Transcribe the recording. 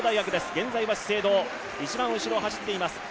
現在は資生堂、一番後ろを走っています。